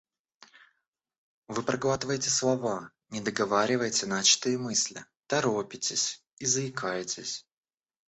Вы проглатываете слова, не договариваете начатой мысли, торопитесь и заикаетесь.